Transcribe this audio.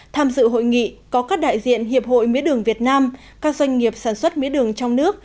tham dự hội nghị có các đại diện hiệp hội mía đường việt nam các doanh nghiệp sản xuất mía đường trong nước